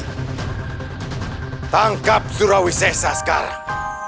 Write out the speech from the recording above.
tangkap surawi sesa sekarang